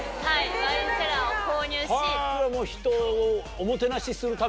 ワインセラーを購入し。